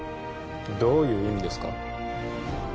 どういう意味ですか？